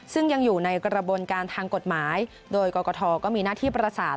ซึ่งยังอยู่ในกระบวนการทางกฎหมายโดยกรกฐก็มีหน้าที่ประสาน